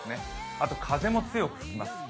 あと風も強く吹きます。